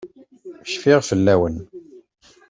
Cfiɣ fell-awen.